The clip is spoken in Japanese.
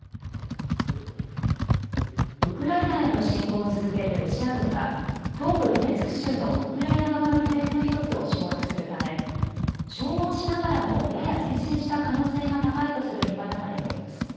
ウクライナへの侵攻を続けるロシア軍は東部ドネツク州のウクライナ側の拠点の１つを掌握するため消耗しながらもやや前進した可能性が高いとする見方が出ています。